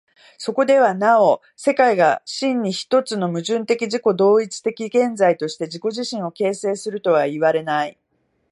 そこではなお世界が真に一つの矛盾的自己同一的現在として自己自身を形成するとはいわれない。